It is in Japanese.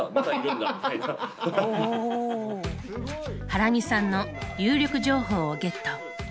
ハラミさんの有力情報をゲット。